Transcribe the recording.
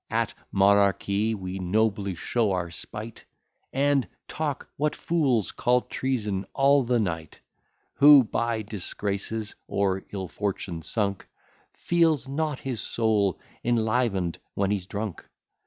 At monarchy we nobly show our spight, And talk, what fools call treason, all the night. Who, by disgraces or ill fortune sunk, Feels not his soul enliven'd when he's drunk?